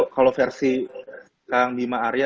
kalau versi kang bima arya